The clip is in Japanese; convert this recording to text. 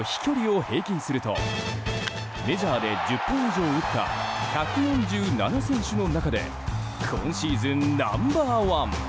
このホームランの飛距離を平均するとメジャーで１０本以上打った１４７選手の中で今シーズンナンバー１。